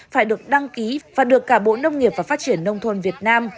phải được đăng ký và được cả bộ nông nghiệp và phát triển nông thôn việt nam